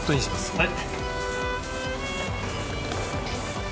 はい。